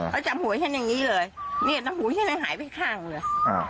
เขาจับหัวฉันอย่างนี้เลยเนี่ยหูฉันเลยหายไปข้างเลย